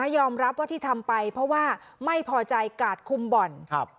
ยอมรับว่าที่ทำไปเพราะว่าไม่พอใจกาดคุมบ่อน